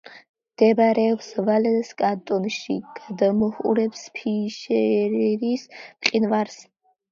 მდებარეობს ვალეს კანტონში; გადმოჰყურებს ფიშერის მყინვარს.